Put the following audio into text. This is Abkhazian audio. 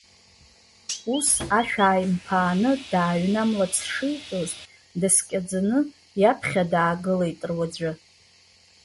Ус, ашә ааимԥааны, дааҩнамлац шиҳәоз, даскьаӡаны иаԥхьа даагылеит руаӡәы.